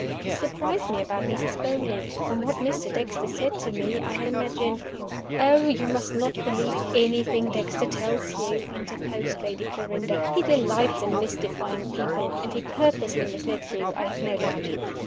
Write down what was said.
You surprise me about Mrs. Beauly. From what Mr. Dexter said to me, I had imagined " "Oh, you must not believe anything Dexter tells you!" interposed Lady Clarinda. "He delights in mystifying people; and he purposely misled you, I have no doubt.